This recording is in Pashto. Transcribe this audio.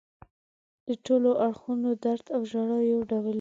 د ټولو اړخونو درد او ژړا یو ډول وي.